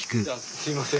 すいません